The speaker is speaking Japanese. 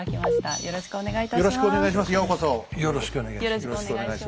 よろしくお願いします。